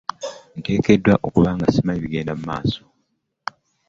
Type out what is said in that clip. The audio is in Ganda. Nteekeddwa okuba nga ssimanyi bigenda mu maaso.